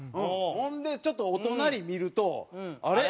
ほんでちょっとお隣見るとあれ？